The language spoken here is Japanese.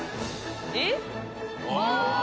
えっ？